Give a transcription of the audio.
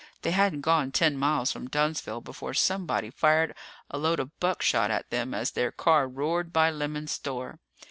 They hadn't gone ten miles from Dunnsville before somebody fired a load of buckshot at them as their car roared by Lemons' Store.